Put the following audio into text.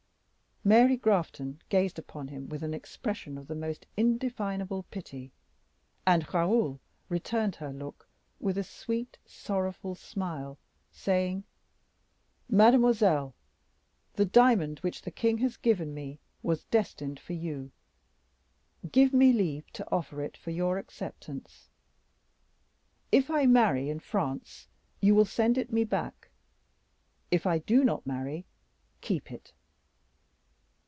Mary Grafton gazed upon him with an expression of the most indefinable pity, and Raoul returned her look with a sweet, sorrowful smile, saying, "Mademoiselle, the diamond which the king has given me was destined for you, give me leave to offer it for your acceptance: if I marry in France, you will send it me back; if I do not marry, keep it."